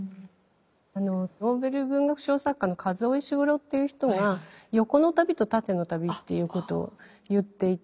ノーベル文学賞作家のカズオ・イシグロっていう人が「横の旅と縦の旅」っていうことを言っていて。